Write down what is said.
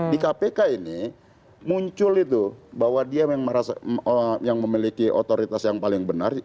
di kpk ini muncul itu bahwa dia yang memiliki otoritas yang paling benar